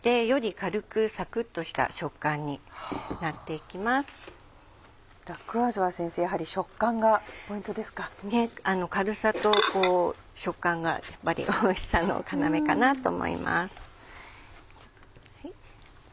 軽さと食感がやっぱりおいしさの要かなと思います。